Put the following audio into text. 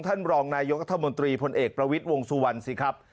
ท่านบรองนายกธรรมนตรีผลเอกประวิ๐๗๑สิครับ